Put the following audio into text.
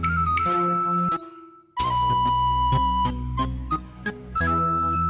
ya aku mau